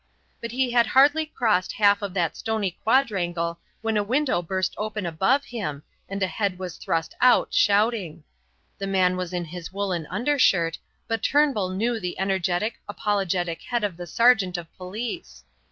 But he had hardly crossed half of that stony quadrangle when a window burst open above him and a head was thrust out, shouting. The man was in his woollen undershirt, but Turnbull knew the energetic, apologetic head of the sergeant of police.